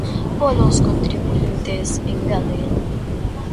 Polos contribuíntes, engaden.